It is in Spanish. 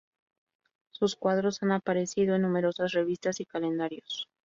Sus cuadros han aparecido en numerosas revistas y calendarios.